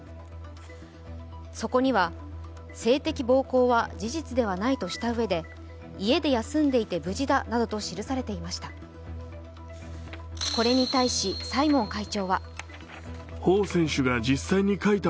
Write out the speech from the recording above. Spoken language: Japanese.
そこには「性的暴行は事実ではない」としたうえで家で休んでいて無事だなどと記されていました。